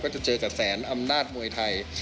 จะเจอกับแสนอำนาจมวยไทย